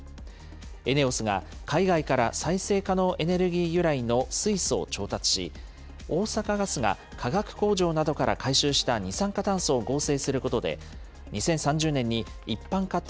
ＥＮＥＯＳが海外から再生可能エネルギー由来の水素を調達し、大阪ガスが化学工場などから回収した二酸化炭素を合成することで、２０３０年に一般家庭